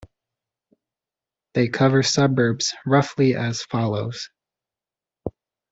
They cover suburbs roughly as follows.